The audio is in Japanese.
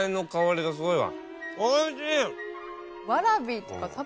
おいしい！